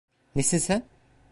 Nesin sen?